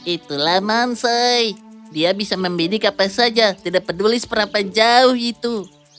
itulah mansai dia bisa membidik apa saja tidak peduli seberapa jauh itu